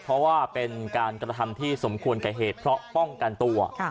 เพราะว่าเป็นการกระทำที่สมควรแก่เหตุเพราะป้องกันตัว